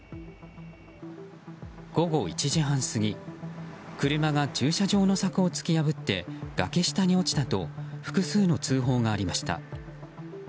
午後１時半過ぎ、車が駐車場の柵を突き破って崖下に落ちたと複数の通報がありました。